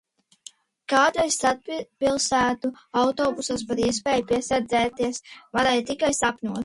Kādreiz starppilsētu autobusos par iespēju piesprādzēties varēja tikai sapņot.